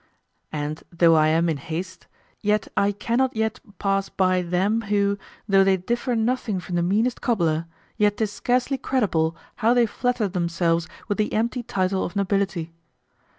And though I am in haste, yet I cannot yet pass by them who, though they differ nothing from the meanest cobbler, yet 'tis scarcely credible how they flatter themselves with the empty title of nobility.